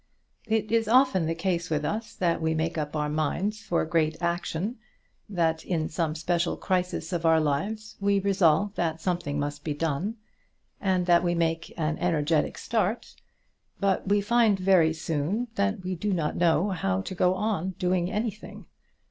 It is often the case with us that we make up our minds for great action, that in some special crisis of our lives we resolve that something must be done, and that we make an energetic start; but we find very soon that we do not know how to go on doing anything.